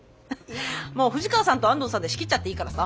もう藤川さんと安藤さんで仕切っちゃっていいからさ。